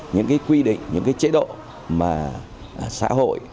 những cái quy định những cái chế độ mà xã hội